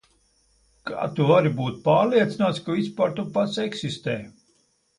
Kā tu vari būt pārliecināts, ka vispār tu pats eksistē?